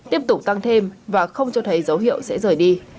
tiếp tục tăng thêm và không cho thấy dấu hiệu sẽ rời đi